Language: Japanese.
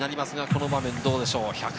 この場面、どうでしょう？